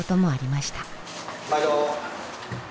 まいど。